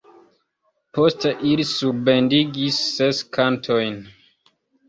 Poste ili surbendigis ses kantojn.